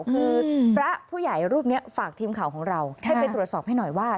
คือพระผู้ใหญ่รูปนี้ฝากทีมข่าวของเราให้ไปตรวจสอบให้หน่อยว่า